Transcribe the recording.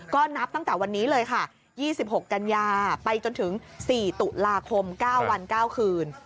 ก็นับตั้งแต่วันนี้เลยค่ะ๒๖กันยาไปจนถึง๔ตุลาคม๙วัน๙คืน